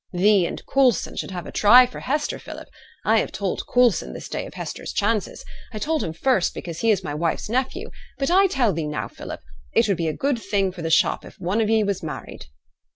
Thee and Coulson should have a try for Hester, Philip. I have told Coulson this day of Hester's chances. I told him first because he is my wife's nephew; but I tell thee now, Philip. It would be a good thing for the shop if one of ye was married.'